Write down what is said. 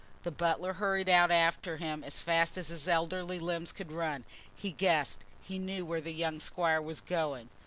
The butler hurried out after him as fast as his elderly limbs could run: he guessed, he knew, where the young squire was going.